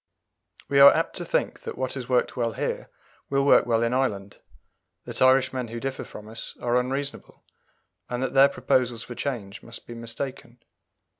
We are apt to think that what has worked well here will work well in Ireland; that Irishmen who differ from us are unreasonable; and that their proposals for change must be mistaken.